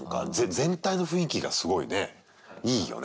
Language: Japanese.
全体の雰囲気がすごいねいいよね。